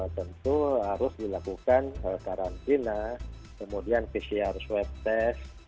tentu harus dilakukan karantina kemudian pcr swab test